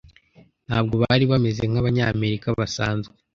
Ntabwo bari bameze nkabanyamerika basanzwe.